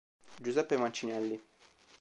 Giuseppe Mancinelli